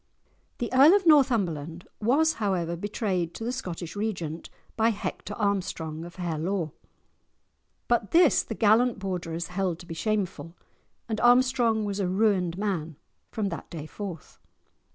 The Earl of Northumberland, was however betrayed to the Scottish Regent by Hector Armstrong of Harelaw; but this the gallant Borderers held to be shameful, and Armstrong was a ruined man from that day forth.